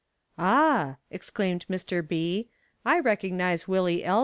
"Ah!" exclaimed Mr. B., "I recognize Willie L.'